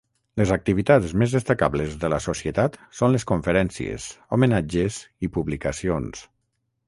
Les activitats més destacables de la Societat són les conferències, homenatges i publicacions.